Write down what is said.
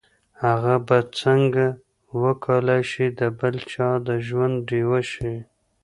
هغه به څنګه وکولای شي د بل چا د ژوند ډيوه شي.